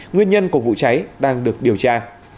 nguyên nhân của vụ cháy đang được điều tra